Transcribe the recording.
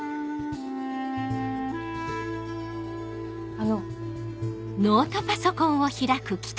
あの。